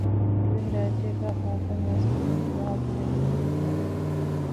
ދިވެހިރާއްޖޭގައި ފަހަކަށް އައިސް ކޮންމެ ދުވަހަކުހެން މީހުން މަރުވެ